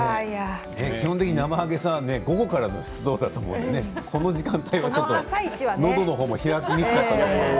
基本的になまはげさんは午後からの出動だと思うのでこの時間帯はちょっとのどのほうも開きにくかったと思います。